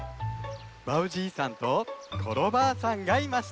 バウじいさんとコロばあさんがいました。